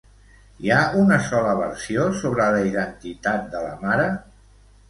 Hi ha una sola versió sobre la identitat de la mare?